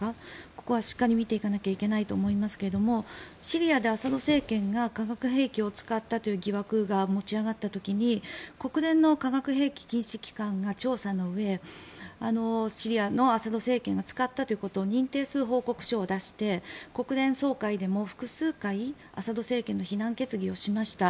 ここはしっかり見ていかなきゃいけないと思いますがシリアでアサド政権が化学兵器を使ったという疑惑が持ち上がった時に国連の化学兵器禁止機関が調査のうえシリアのアサド政権が使ったということを認定する報告書を出して国連総会でも複数回アサド政権の非難決議をしました。